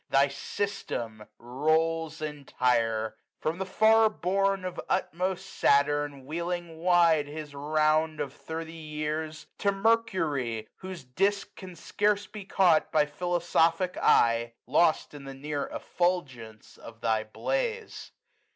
Thy System rolls entire : from the far bourne Of utmost Saturn, wheeling wide his round 100 Of thirty years ; to Mercury, whose disk Can scarce be caught by philosophic eye. Lost in the near effulgence of thy blaze.